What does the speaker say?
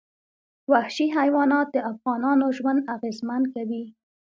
وحشي حیوانات د افغانانو ژوند اغېزمن کوي.